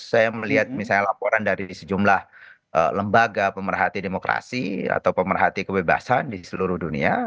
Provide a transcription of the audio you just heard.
saya melihat misalnya laporan dari sejumlah lembaga pemerhati demokrasi atau pemerhati kebebasan di seluruh dunia